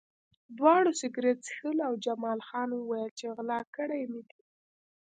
دواړو سګرټ څښل او جمال خان وویل چې غلا کړي مې دي